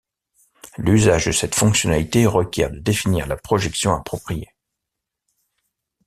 L'usage de cette fonctionnalité requiert de définir la projection appropriée.